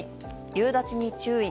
夕立に注意。